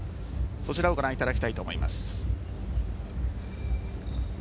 そちらをご覧いただきたいと思います。